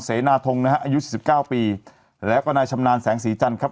เสนาทงนะฮะอายุสิบเก้าปีแล้วก็นายชำนาญแสงสีจันทร์ครับ